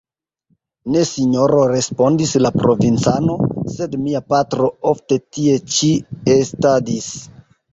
Ne, Sinjoro, respondis la provincano, sed mia patro ofte tie ĉi estadis.